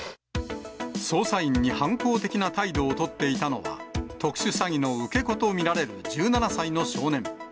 捜査員に反抗的な態度を取っていたのは、特殊詐欺の受け子と見られる１７歳の少年。